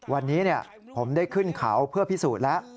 วันนี้ผมได้ขึ้นเขาเพื่อพิสูจน์แล้ว